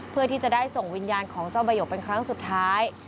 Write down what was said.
เพื่อที่จะได้ส่งวิญญาณของเจ้าใบกเป็นครั้งสุดท้าย